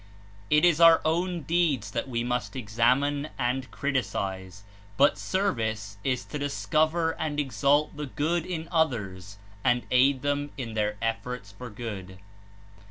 It is our own deeds that we must examine and criticise, but service is to discover and exalt the good in others and aid them in their efforts for good.